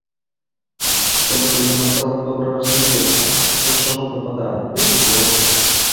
Трэба толькі на цэлым добра разгледзецца, што да чаго прыпадае, дык і зложыш.